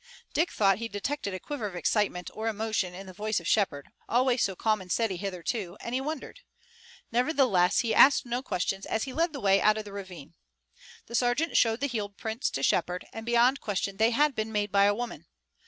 Dick thought he detected a quiver of excitement or emotion in the voice of Shepard, always so calm and steady hitherto, and he wondered. Nevertheless he asked no questions as he led the way out of the ravine. The sergeant showed the heel prints to Shepard, and beyond question they had been made by a woman.